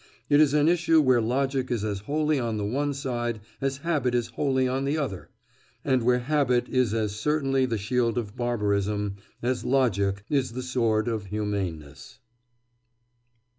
It is an issue where logic is as wholly on the one side as habit is wholly on the other, and where habit is as certainly the shield of barbarism as logic is the sword of humaneness.